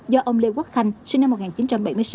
do ông lê quốc khanh sinh năm một nghìn chín trăm bảy mươi sáu